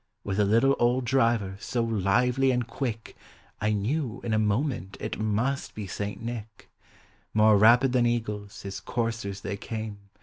With a little old driver, so lively and quick 1 knew in a moment it must be St. Nick. More rapid than eagles his coursers they came.